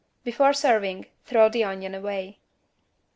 Before serving, throw the onion away.